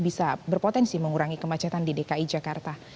bisa berpotensi mengurangi kemacetan di dki jakarta